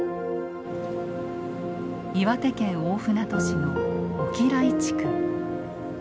岩手県大船渡市の越喜来地区。